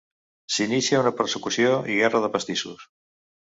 S'inicia una persecució i guerra de pastissos.